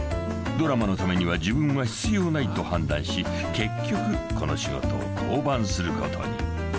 ［ドラマのためには自分は必要ないと判断し結局この仕事を降板することに］